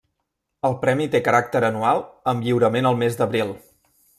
El premi té caràcter anual, amb lliurament el mes d'abril.